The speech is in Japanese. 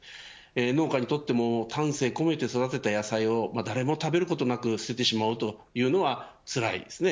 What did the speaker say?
農家にとっても丹精込めて育てた野菜を誰も食べることなく捨ててしまうというのはつらいです。